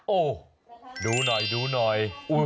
โอ้โหดูหน่อยดูหน่อย